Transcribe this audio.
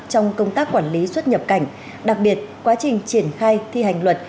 trong công tác quản lý xuất nhập cảnh đặc biệt quá trình triển khai thi hành luật